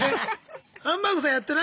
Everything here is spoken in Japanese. ハンバーグさんやってない？